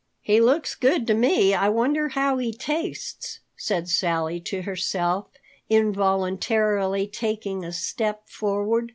"He looks good to me. I wonder how he tastes," said Sally to herself, involuntarily taking a step forward.